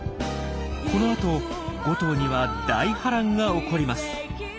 この後５頭には大波乱が起こります。